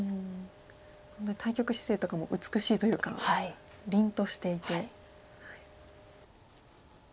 本当に対局姿勢とかも美しいというか凛としていて。